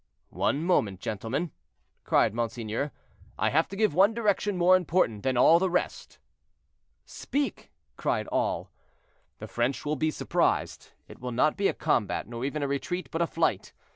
"One moment, gentlemen," cried monseigneur; "I have to give one direction more important than all the rest." "Speak!" cried all. "The French will be surprised; it will not be a combat, nor even a retreat, but a flight.